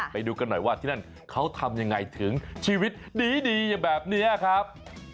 ไปดูกันหน่อยว่าที่นั่นเขาทำยังไงถึงชีวิตดีแบบนี้ครับ